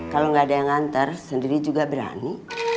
kalau nggak ada yang nganter sendiri juga berani